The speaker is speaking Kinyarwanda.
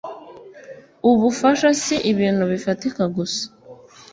ubufasha si ibintu bifatika gusa.